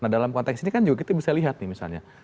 nah dalam konteks ini kan juga kita bisa lihat nih misalnya